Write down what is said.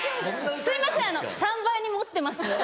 すいません３倍に盛ってます。